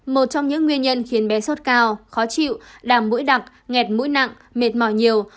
một trong những nguyên nhân khiến bé sốt cao khó chịu đàm mũi đặc ngẹt mũi nặng mệt mỏi nhiều